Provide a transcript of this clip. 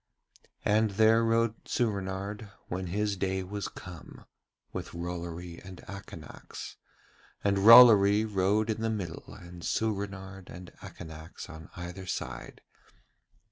And there rode Soorenard, when his day was come, with Rollory and Akanax, and Rollory rode in the middle and Soorenard and Akanax on either side.